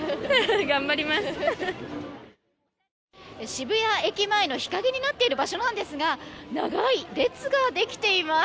渋谷駅前の日陰になっている場所なんですが長い列ができています。